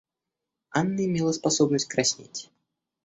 Анна имела способность краснеть.